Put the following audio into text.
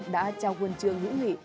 đã trao quân trường hữu nghị